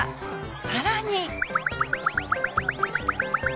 さらに。